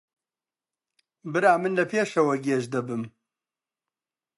برا من لە پێشەوە گێژ دەبم